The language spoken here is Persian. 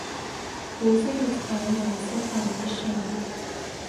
حوض رودخانه مناسب برای شنا